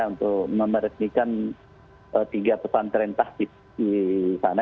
untuk memeresmikan tiga pesantren taktis di sana